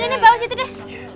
nah ini nih bawain situ deh